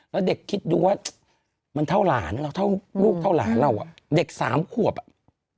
แล้วเด็กคิดดูว่ามันเท่าหลานเราเท่าลูกเท่าหลานเราอ่ะเด็กสามขวบอ่ะ